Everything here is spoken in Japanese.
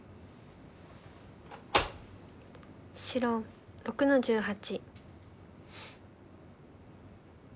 白６の十八。